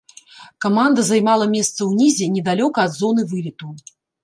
Каманда займала месца ўнізе, недалёка ад зоны вылету.